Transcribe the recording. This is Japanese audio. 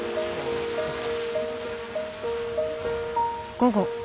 午後。